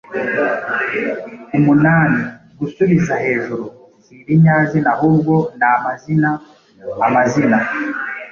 umunani” gusubiza hejuru si ibinyazina ahubwo ni amazina (amazina